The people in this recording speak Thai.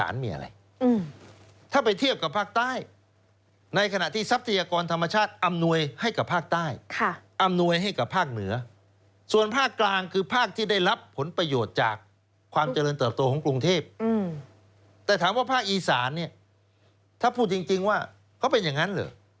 เราก็จำถามว่าภาคอีสานน์ถ้าพูดจริงว่าเขาเป็นอย่างงั้นหรือ